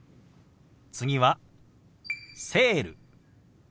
次は「セール」。